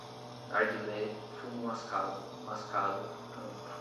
narguilé, fumo mascado, mascada, cancro